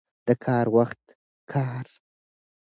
د کار وخت کار.